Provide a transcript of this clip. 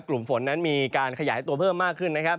กลุ่มฝนนั้นมีการขยายตัวเพิ่มมากขึ้นนะครับ